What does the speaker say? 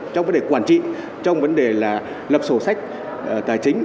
trong vấn đề quản trị trong vấn đề là lập sổ sách tài chính